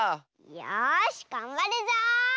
よしがんばるぞ！